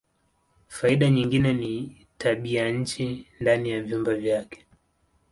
Faida nyingine ni tabianchi ndani ya vyumba vyake.